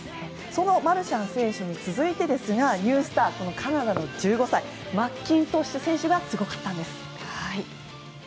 そのマルシャン選手に続いてニュースター、カナダの１５歳マッキントッシュ選手がすごかったんです。